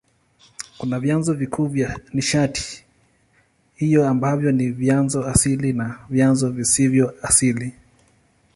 Kuna vyanzo vikuu vya nishati hiyo ambavyo ni vyanzo asili na vyanzo visivyo asili.